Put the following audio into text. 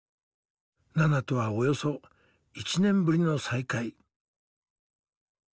ナナとはおよそ１年ぶりの再会。